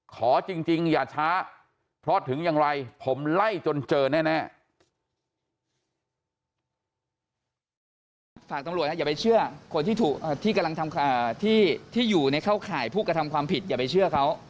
ขอจริงอย่าช้าเพราะถึงอย่างไรผมไล่จนเจอแน่